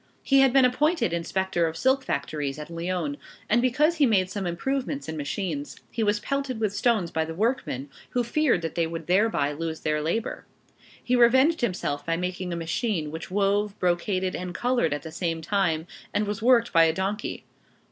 He had been appointed inspector of silk factories at Lyons, and, because he made some improvements in machines, he was pelted with stones by the workmen, who feared that they would thereby lose their labor. He revenged himself by making a machine which wove, brocaded, and colored at the same time, and was worked by a donkey!